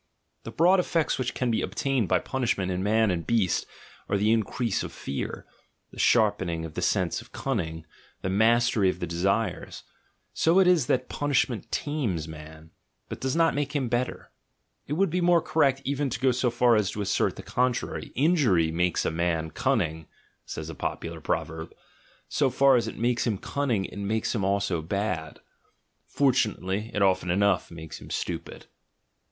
The broad effects which can be obtained by punishment in man and beast, are the increase of fear, the sharpening of the sense of cunning, the mastery of the desires: so it is that punishment tames man, but does not make him "better" — it would be more correct even to go so far as to assert the contrary ("Injury makes a man cunning," says a popular proverb: so far as it makes him cunning, it makes him also bad. Fortunately, it often enough makes him stupid).